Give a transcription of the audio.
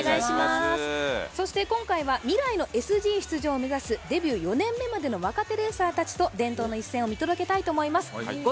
今回は未来のＳＧ出場を目指すデビュー２年目までの選手を伝統の一戦を見届けたいと思います。